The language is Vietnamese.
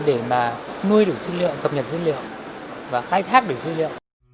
để mà nuôi được sinh liệu cập nhật dữ liệu và khai thác được dữ liệu